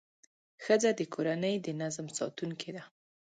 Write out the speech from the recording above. ښځه د کورنۍ د نظم ساتونکې ده.